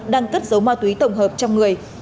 đang cất dấu ma túy tổng hợp trong người